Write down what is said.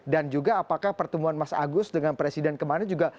dan juga apakah pertemuan mas agus dengan presiden kemarin juga